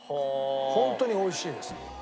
ホントに美味しいです。